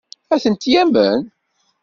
Ad tent-yamen?